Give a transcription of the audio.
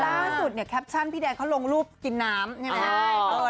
ล่าสุดเนี่ยแคปชั่นพี่แดนเขาลงรูปกินน้ำใช่ไหม